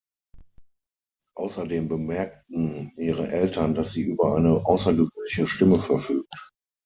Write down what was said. Außerdem bemerkten ihre Eltern, dass sie über eine außergewöhnliche Stimme verfügt.